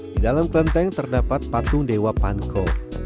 di dalam kelenteng terdapat patung dewa panko